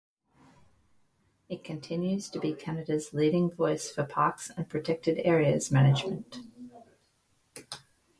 It continues to be Canada's leading voice for parks and protected areas management.